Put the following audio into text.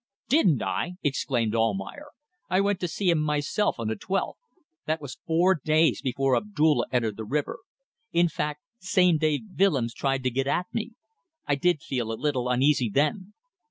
"Didn't I!" exclaimed Almayer. "I went to see him myself on the twelfth. That was four days before Abdulla entered the river. In fact, same day Willems tried to get at me. I did feel a little uneasy then.